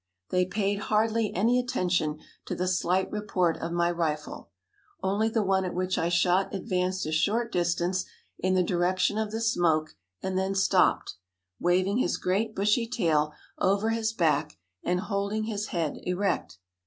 They paid hardly any attention to the slight report of my rifle; only the one at which I shot advanced a short distance in the direction of the smoke and then stopped, waving his great bushy tail over his back and holding his head erect.